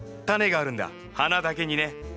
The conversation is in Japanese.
タネがあるんだ花だけにね。